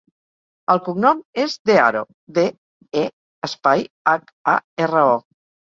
El cognom és De Haro: de, e, espai, hac, a, erra, o.